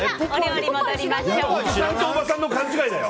おじさんとおばさんの勘違いだよ。